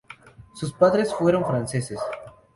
Sus padres fueron franceses.